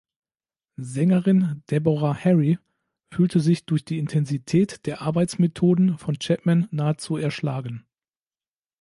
Sängerin Deborah Harry fühlte sich durch die Intensität der Arbeitsmethoden von Chapman nahezu „erschlagen“.